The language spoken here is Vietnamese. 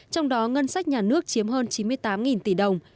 trong đó ngân sách nhà nước chiếm hơn chín mươi tám tỷ đồng